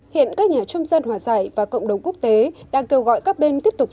hiện các nhà chung dân hòa giải và cộng đồng quốc tế đang kêu gọi các bên tiếp tục